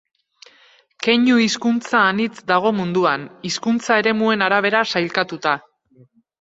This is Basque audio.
Keinu hizkuntza anitz dago munduan, hizkuntza eremuen arabera sailkatuta.